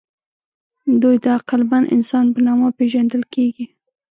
دوی د عقلمن انسان په نامه پېژندل کېږي.